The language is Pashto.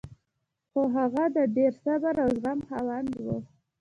خو هغه د ډېر صبر او زغم خاوند و